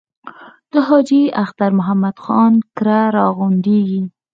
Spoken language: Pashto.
د حاجي اختر محمد خان کره را غونډېږي.